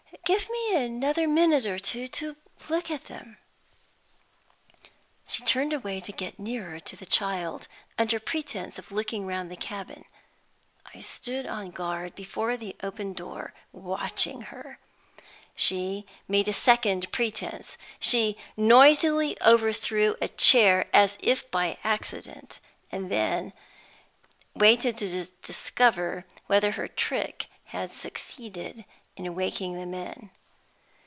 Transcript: Give me another minute or two to look at them." She turned away to get nearer to the child, under pretense of looking round the cabin. I stood on guard before the open door, watching her. She made a second pretense: she noisily overthrew a chair as if by accident, and then waited to discover whether her trick had succeeded in waking the men.